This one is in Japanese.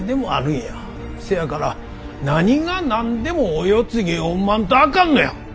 せやから何が何でもお世継ぎを産まんとあかんのや。